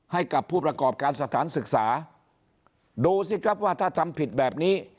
ให้กับผู้ประกอบการสถานศึกษาดูสิครับว่าถ้าทำผิดแบบนี้